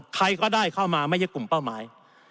ใครก็ได้เข้ามาไม่ใช่กลุ่มเป้าหมาย